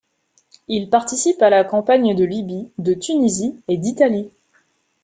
Il participe à la campagne de Libye de Tunisie et d'Italie.